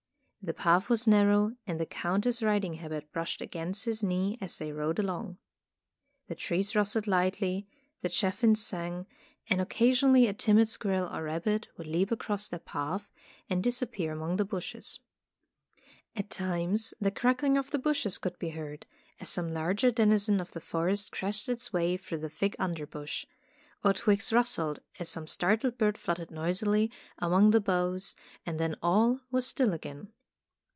The path was narrow, and the Countess' riding habit brushed against his knee as they rode along. The trees rustled lightly, the chaffinches sang, and occa Tales of Modern Germany 139 sionly a timid squirrel or rabbit would leap across their path and disappear among the bushes. At times the crackling of the bushes could be heard, as some larger denizen of the forest crashed its way through the thick underbrush; or twigs rustled as some startled bird fluttered noisily among the boughs, and then all was still again.